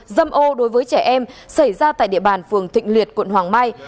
dâm ô đối với trẻ em xảy ra tại địa bàn phường thịnh liệt quận hoàng mai